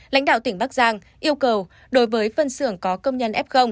lãnh đạo tỉnh bắc giang yêu cầu đối với phân xưởng có công nhân f